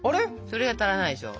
それは足らないでしょ。